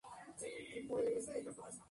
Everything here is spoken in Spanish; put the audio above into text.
Tiene ascendencia Iraní.